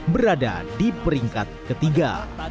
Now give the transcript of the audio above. berada di peringkat ketiga